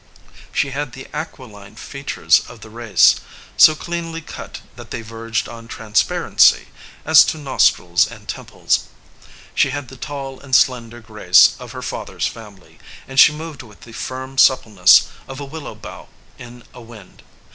She had the aquiline features of the race, so cleanly cut that they verged on transparency, as to nostrils and temples. She 55 EDGEWATER PEOPLE had the tall and slender grace of her father s fam ily, and she moved with the firm suppleness of a willow bough in a wind.